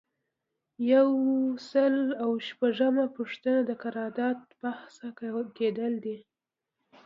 یو سل او شپږمه پوښتنه د قرارداد فسخه کیدل دي.